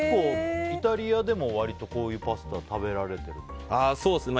イタリアでも割とこういうパスタは食べられてるんですか？